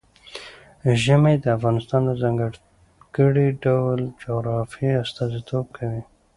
ژمی د افغانستان د ځانګړي ډول جغرافیه استازیتوب کوي.